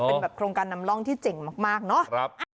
เป็นแบบโครงการนำร่องที่เจ๋งมากเนาะ